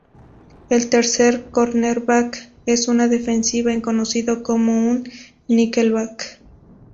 El tercer cornerback en una defensiva es conocido como un nickelback.